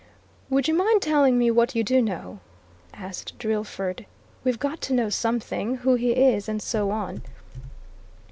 "Would you mind telling me what you do know?" asked Drillford. "We've got to know something who he is, and so on."